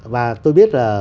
và tôi biết là